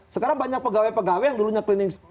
sekarang banyak pegawai pegawai yang dulunya cleaning